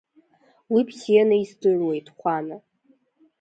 Уи бзианы издыруеит, Хәана…